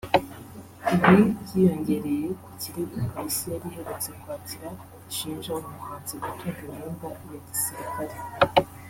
Ibi byiyongereye ku kirego Polisi yari iherutse kwakira gishinja uyu muhanzi gutunga imyenda ya gisirikare